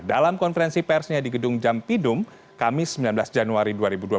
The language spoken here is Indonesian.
dalam konferensi persnya di gedung jampidum kamis sembilan belas januari dua ribu dua puluh